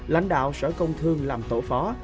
lãnh đạo sở công thương làm tổ phó